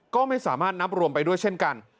ก็ไม่สามารถนับรวมไปด้วยเช่นกัน